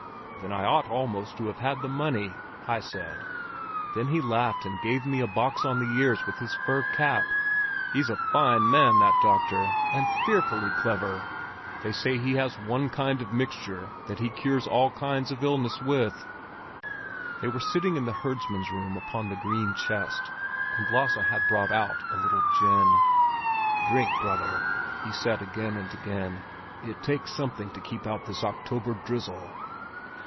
'Then I ought almost to have had the money,' I said. Then he laughed and gave me a box on the ears with his fur cap. He's a fine man, that doctor, and fearfully clever; they say that he has one kind of mixture that he cures all kinds of illness with." They were sitting in the herdsman's room upon the green chest, and Lasse had brought out a little gin. "Drink, brother!" he said again and again. "It takes something to keep out this October drizzle."